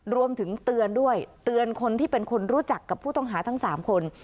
รวมถึงเตือนด้วยเตือนคนที่เป็นคนรู้จักกับผู้ต้องหาทั้ง๓คน